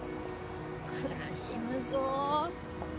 苦しむぞ。